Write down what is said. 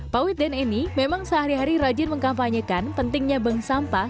pawit dan eni memang sehari hari rajin mengkampanyekan pentingnya bank sampah